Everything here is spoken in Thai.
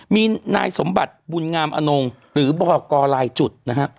มีนายสมบัติบุญงามอนงหรือบอกกรลายจุดนะฮะ